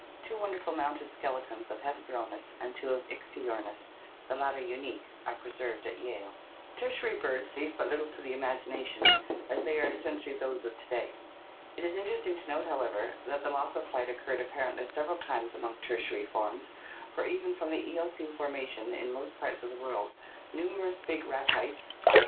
Two wonderful mounted skeletons of Hesperornis and two of Ichthyornis, the latter unique, are preserved at Yale. Tertiary birds leave but little to the imagination, as they are essentially those of to day. It is interesting to note, however, that the loss of flight occurred apparently several times among Tertiary forms, for even from the Eocene formation in most parts of the world numerous big Ratites (*".